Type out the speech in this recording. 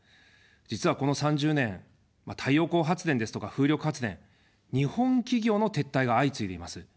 実はこの３０年、太陽光発電ですとか、風力発電、日本企業の撤退が相次いでいます。